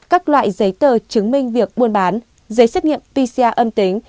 các loại giấy tờ chứng minh việc buôn bán giấy xét nghiệm pcr âm tính